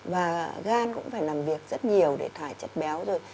và gan cũng phải làm việc rất nhiều để thoải chất béo rồi